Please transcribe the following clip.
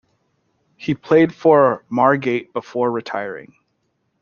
He played for Margate before retiring.